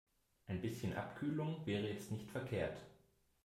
Ein bisschen Abkühlung wäre jetzt nicht verkehrt.